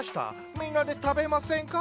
みんなで食べませんか？